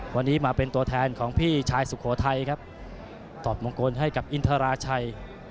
วันนี้มาเป็นตัวแทนของพี่ชายสุโขทัยครับถอดมงคลให้กับอินทราชัย